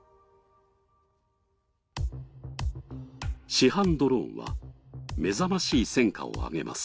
市販ドローンは目覚ましい戦果を挙げます。